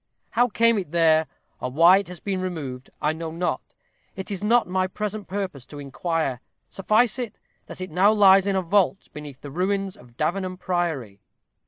How it came there, or why it has been removed, I know not; it is not my present purpose to inquire. Suffice it, that it now lies in a vault beneath the ruins of Davenham Priory.